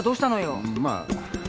うんまあ。